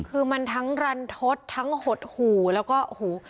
คือมันทั้งรันทดทั้งหดหูแล้วก็หู